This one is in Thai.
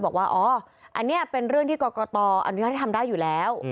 บอกว่าอันนี้เป็นเรื่องที่กรตอันนี้ก็ได้ทำได้อยู่แล้ว